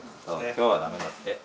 今日はダメだって。